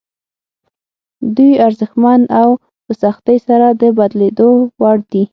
دوی ارزښتمن او په سختۍ سره د بدلېدو وړ دي.